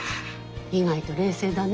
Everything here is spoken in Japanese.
意外と冷静だね。